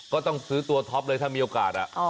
ก็ต้องซื้อตัวท็อปเลยถ้ามีโอกาส